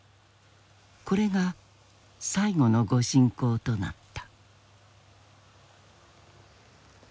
これが最後の御進講となった。